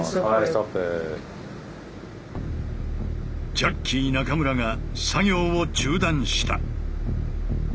ジャッキー中村が作業を中断した。